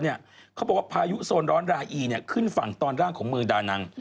เขาบอกว่าพายุโซนร้อนราอีขึ้นฝั่งตอนล่างของเมืองดานัง